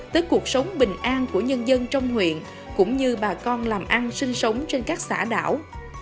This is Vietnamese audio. tới cuộc sống bình an của nhân dân trong huyện cũng như bà con làm ăn sinh sống trên các xã đảo